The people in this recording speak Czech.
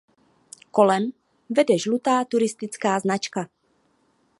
Kolem vede žlutá turistická značka.